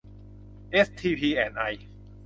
เอสทีพี แอนด์ ไอ